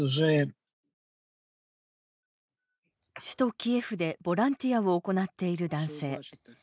首都キエフでボランティアを行っている男性。